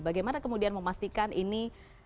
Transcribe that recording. bagaimana kemudian memastikan ini